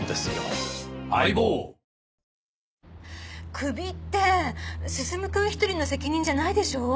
クビって進くん一人の責任じゃないでしょ？